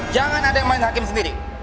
jangan ada yang main hakim sendiri